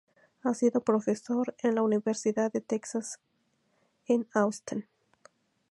Ha sido profesor en la Universidad de Texas en Austin.